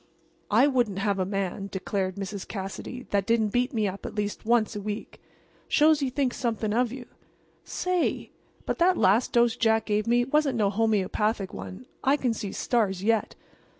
"I wouldn't have a man," declared Mrs. Cassidy, "that didn't beat me up at least once a week. Shows he thinks something of you. Say! but that last dose Jack gave me wasn't no homeopathic one. I can see stars yet.